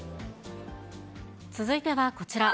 続いてはこちら。